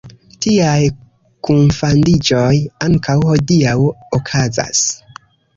Tiaj kunfandiĝoj ankaŭ hodiaŭ okazas.